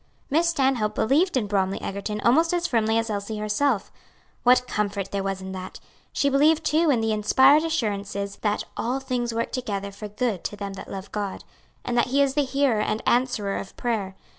Miss Stanhope believed in Bromly Egerton almost as firmly as Elsie herself; what comfort there was in that! She believed too in the inspired assurances that "all things work together for good to them that love God," and that He is the hearer and answerer of prayer.